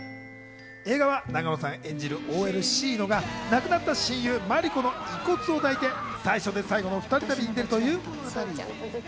映画は永野さん演じるＯＬシイノが亡くなった親友・マリコの遺骨を抱いて最初で最後の２人旅に出るという物語。